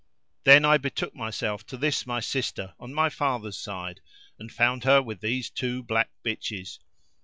Then I betook myself to this my sister on my father's side and found her with these two black bitches.